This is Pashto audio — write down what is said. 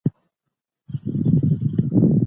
ولې سګریټ د زړه لپاره بد دی؟